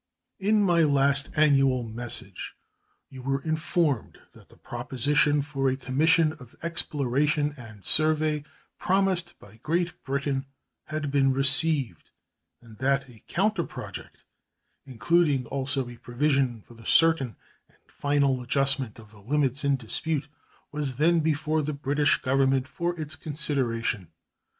In my last annual message you were informed that the proposition for a commission of exploration and survey promised by Great Britain had been received, and that a counter project, including also a provision for the certain and final adjustment of the limits in dispute, was then before the British Government for its consideration.